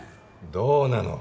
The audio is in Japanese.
どうなの？